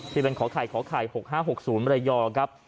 ที่เป็นขอไข่ขอไข่๖๕๖๐มรยองครับ